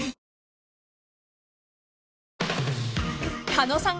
［狩野さん